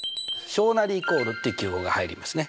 小なりイコールって記号が入りますね。